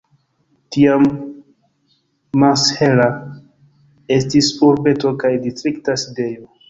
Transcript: Tiam Mansehra estis urbeto kaj distrikta sidejo.